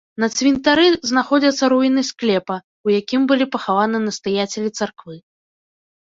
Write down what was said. На цвінтары знаходзяцца руіны склепа, у якім былі пахаваны настаяцелі царквы.